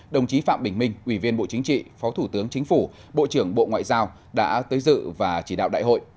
đồng chí phạm bình minh ủy viên bộ chính trị phó thủ tướng chính phủ bộ trưởng bộ ngoại giao đã tới dự và chỉ đạo đại hội